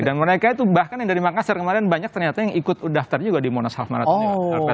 dan mereka itu bahkan yang dari makassar kemarin banyak ternyata yang ikut daftar juga di monashalv marathon